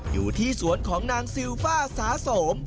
อยู่ที่สวนของนางซิลฟ่าสาสม